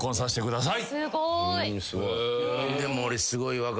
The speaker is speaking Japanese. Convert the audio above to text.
すごーい。